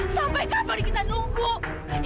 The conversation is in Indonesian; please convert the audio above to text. sampai kapal ini kita nunggu